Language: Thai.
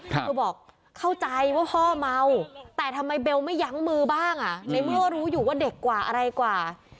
เธอบอกเข้าใจว่าพ่อเมาแต่ทำไมเบลไม่ยั้งมือบ้างอ่ะในเมื่อรู้อยู่ว่าเด็กกว่าอะไรกว่า